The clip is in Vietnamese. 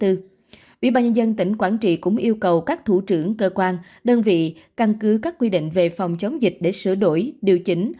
ủy ban nhân dân tỉnh quảng trị cũng yêu cầu các thủ trưởng cơ quan đơn vị căn cứ các quy định về phòng chống dịch để sửa đổi điều chỉnh